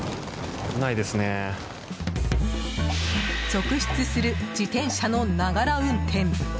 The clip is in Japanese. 続出する自転車のながら運転。